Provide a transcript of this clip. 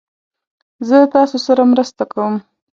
زه تاسو سره مرسته کوم